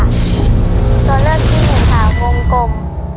ตัวเลือกที่หนึ่งค่ะวงกลม